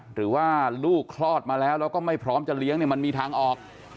หรือว่าลูกคลอดมาแล้วแล้วก็ไม่พร้อมจะเลี้ยงเนี่ยมันมีทางออก